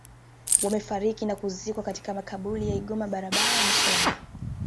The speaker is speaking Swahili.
Wamefariki na kuzikwa katika makaburi ya Igoma barabara ya Musoma